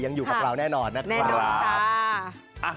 อยู่กับเราแน่นอนนะครับ